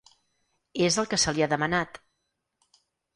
És el que se li ha demanat.